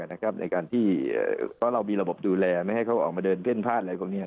เพราะว่าเรามีระบบดูแลไม่ให้เขาออกมาเดินเพ่นภาพ